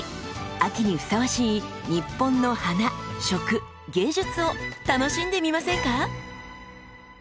秋にふさわしい日本の「花」「食」「芸術」を楽しんでみませんか？